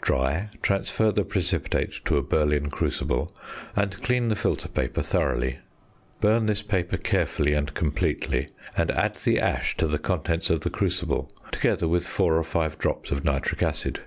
Dry, transfer the precipitate to a Berlin crucible, and clean the filter paper thoroughly. Burn this paper carefully and completely; and add the ash to the contents of the crucible, together with 4 or 5 drops of nitric acid.